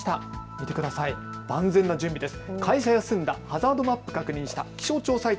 見てください、万全な準備です。